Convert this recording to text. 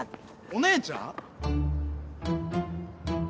お姉ちゃん？